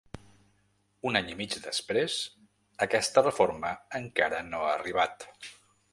Un any i mig després, aquesta reforma encara no ha arribat.